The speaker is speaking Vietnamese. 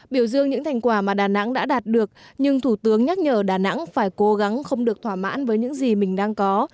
biểu dương những thành quả mà đà nẵng đã đạt được nhưng thủ tướng nhắc nhở đà nẵng phải cố gắng không được thỏa mãn với những gì mình đang có